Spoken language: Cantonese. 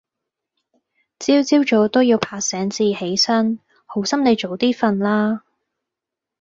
朝朝早都要拍先至起身，好心你早啲瞓啦